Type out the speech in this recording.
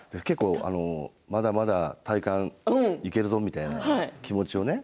まだまだ体幹はいけるぞっていう気持ちをね